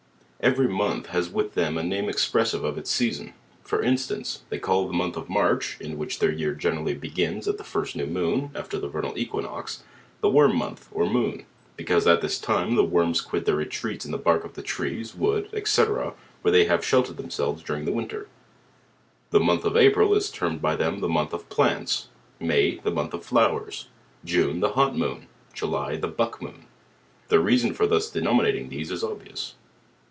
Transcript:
Every month has with them a name expressive of its sea son; for instance, they call the month of March (in which their year geneially begins at the first new moon, after the vernal Equinox) tin Worm Month cr Moon; because at this time the worms quit their retreats in the bark of the treee, wood, &c. where they have sheltered themselves dur ing the winter. The m'Mith cf Ap il i? termed by them the month of Plants. Miy, the month cf Flowers. June the Hot Moon. July, the liu:k Moon. Their reason for thus denominating these is obvious.